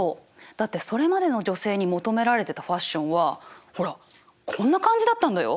だってそれまでの女性に求められてたファッションはほらこんな感じだったんだよ。